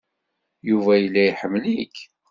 Yuba yella iḥemmel-ik.